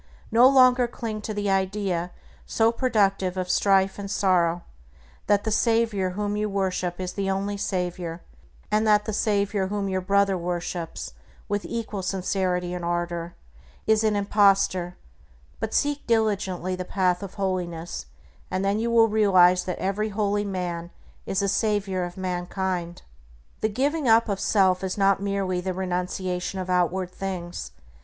No longer cling to the idea, so productive of strife and sorrow, that the Savior whom you worship is the only Savior, and that the Savior whom your brother worships with equal sincerity and ardor, is an impostor; but seek diligently the path of holiness, and then you will realize that every holy man is a savior of mankind. The giving up of self is not merely the renunciation of outward things.